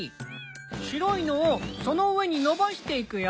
白いのをその上に伸ばしていくよ。